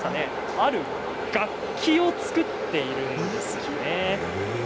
ある楽器を作っているんです。